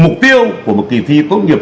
mục tiêu của một kỳ thi tốt nghiệp